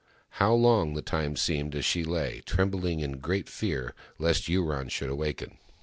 How long the time seemed as she lay, trembling, in great fear lest Yurong should awaken